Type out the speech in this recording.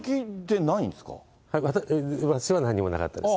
私はなんにもなかったです。